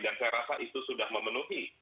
dan saya rasa itu sudah memenuhi